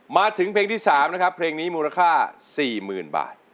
มาถึงเพลงที่๓นะครับเพลงนี้มูลค่า๔๐๐๐บาท